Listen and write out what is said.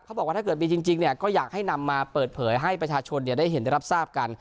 บอกว่าถ้าเกิดมีจริงเนี่ยก็อยากให้นำมาเปิดเผยให้ประชาชนได้เห็นได้รับทราบกัน